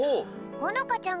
ほのかちゃん。